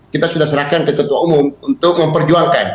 kita sudah serahkan ke ketua umum untuk memperjuangkan